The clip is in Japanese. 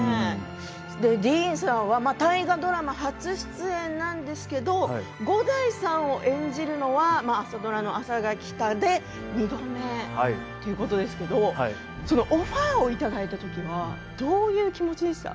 ディーンさんは大河ドラマ初出演なんですけど五代さんを演じるのは朝ドラの「あさが来た」で２度目ということですけどオファーをいただいたときはどういう気持ちでした？